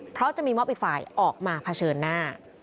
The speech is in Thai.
เพราะจะมีมอบอีกฝ่ายออกมาเผชิญหน้า